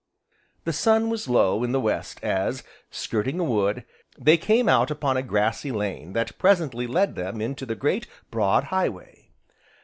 The sun was low in the West as, skirting a wood, they came out upon a grassy lane that presently led them into the great, broad highway.